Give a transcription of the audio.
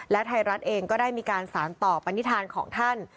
และไทยรัฐเองก็ได้มีการสารต่อปณิธานของท่าน